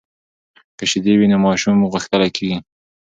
که شیدې وي نو ماشوم غښتلۍ کیږي.